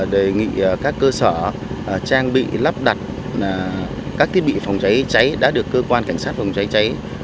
đề nghị các cơ sở trang bị lắp đặt các thiết bị phòng cháy cháy đã được cơ quan cảnh sát phòng cháy cháy